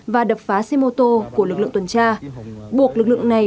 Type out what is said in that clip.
và đập phá xe mô tô của lực lượng tuần tra buộc lực lượng này